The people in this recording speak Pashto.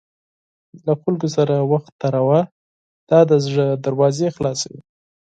له خلکو سره وخت تېروه، دا د زړه دروازې خلاصوي.